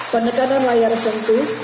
pendekanan layar sentuh